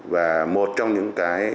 và một trong những cái